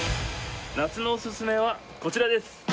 夏のおすすめはこちらです！